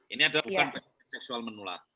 ini adalah bukan seksual menular